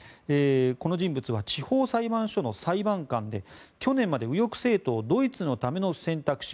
この人物は地方裁判所の裁判官で去年まで右翼政党のドイツのための選択肢